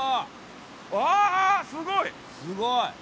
あすごい！